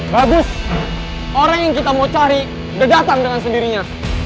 bagus orang yang kita mau cari udah datang dengan sendirinya